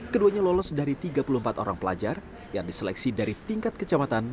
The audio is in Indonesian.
keduanya lolos dari tiga puluh empat orang pelajar yang diseleksi dari tingkat kecamatan